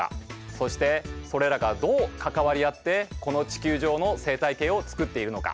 そしてそれらがどう関わり合ってこの地球上の生態系を作っているのか。